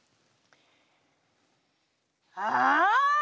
ああ？